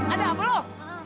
ada apa lu